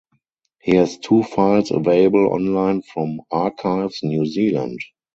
He has two files available online from Archives New Zealand.